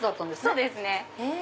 そうですね。